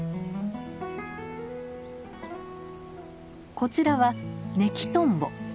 こちらはネキトンボ。